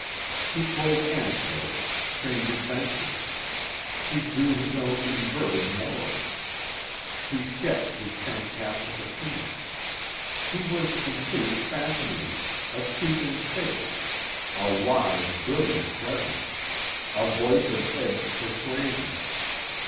He told anecdotes, strange adventures; he drew his own inverted morals; he sketched his fantastic opinions; he was in truth fascinating, a speaking face, a lithe, brilliant presence, a voice of edged persuasion.